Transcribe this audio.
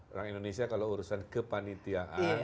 orang indonesia kalau urusan kepanitiaan